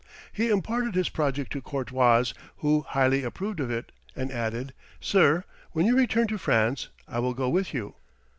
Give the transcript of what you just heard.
He imparted his project to Courtois, who highly approved of it, and added, "Sir, when you return to France, I will go with you.